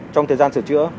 trong thời gian sửa chữa